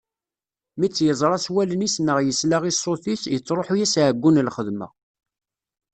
Mi tt-yeẓra s wallen-is neɣ yesla i ṣṣut-is, yettruḥu-yas ɛeggu n lxedma.